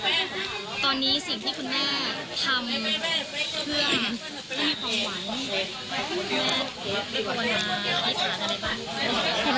เพื่อไม่ประวณาให้ฐานอะไรบ้าง